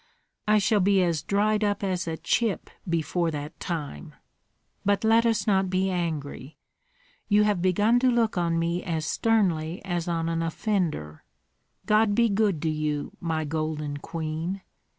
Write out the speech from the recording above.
"I shall be as dried up as a chip before that time. But let us not be angry. You have begun to look on me as sternly as on an offender. God be good to you, my golden queen!